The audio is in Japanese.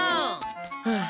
はあ。